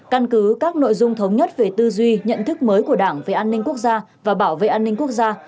căn cứ các nội dung thống nhất về tư duy nhận thức mới của đảng về an ninh quốc gia và bảo vệ an ninh quốc gia